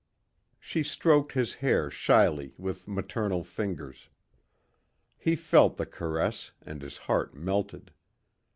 She stroked his hair shyly with maternal fingers. He felt the caress and his heart melted.